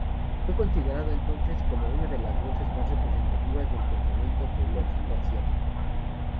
Fue considerado entonces como "una de las voces más representativas del pensamiento teológico asiático".